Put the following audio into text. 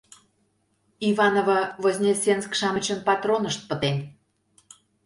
Иваново-Вознесенск-шамычын патронышт пытен.